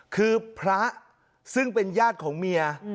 คือพระซึ่งเป็นญาติของเมีย